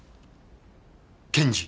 検事。